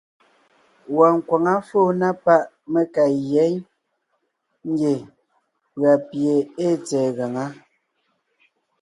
Wɔɔn nkwaŋá fóo na páʼ mé ka gyá ngie pʉ̀a pie ée tsɛ̀ɛ gaŋá.